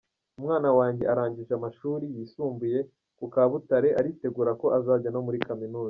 Umwana wanjye arangije amashuri yisumbuye ku Kabutare aritegura ko azajya no muri kaminuza.